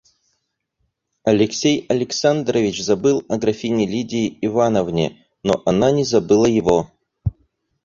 Алексей Александрович забыл о графине Лидии Ивановне, но она не забыла его.